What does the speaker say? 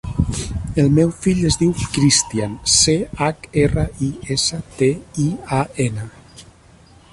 El meu fill es diu Christian: ce, hac, erra, i, essa, te, i, a, ena.